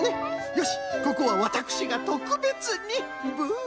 よしここはわたくしがとくべつにぶん。